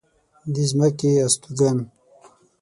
د ځمکې استوگن